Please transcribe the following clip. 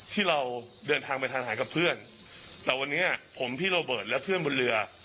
ที่เราเดินทางไปทานหายกับเพื่อนแต่วันนี้ผมพี่โรเบิร์ตและเพื่อนบนเรือ